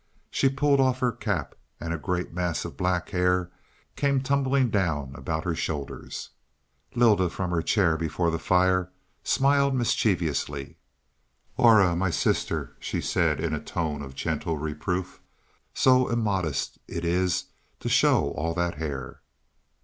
She pulled off her cap, and a great mass of black hair came tumbling down about her shoulders. Lylda, from her chair before the fire, smiled mischievously. "Aura, my sister," she said in a tone of gentle reproof. "So immodest it is to show all that hair."